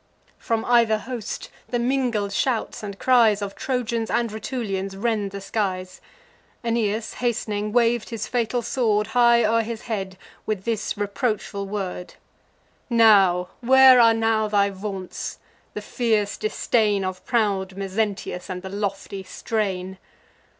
From either host, the mingled shouts and cries Of Trojans and Rutulians rend the skies. Aeneas, hast'ning, wav'd his fatal sword High o'er his head, with this reproachful word: "Now; where are now thy vaunts, the fierce disdain Of proud Mezentius, and the lofty strain?"